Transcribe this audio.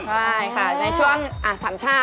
ใช่ค่ะในช่วงสามช่า